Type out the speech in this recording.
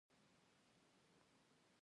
د ډاربي تره بېرته پر خپل کار بوخت شو.